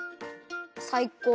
さいこう！